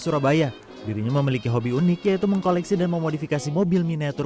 surabaya dirinya memiliki hobi unik yaitu mengkoleksi dan memodifikasi mobil miniatur